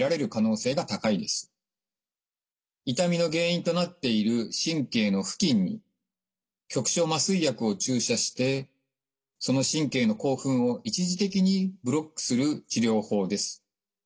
痛みの原因となっている神経の付近に局所麻酔薬を注射してその神経の興奮を一時的にブロックする治療法です。